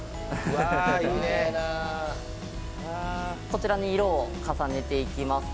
こちらに色を重ねていきます。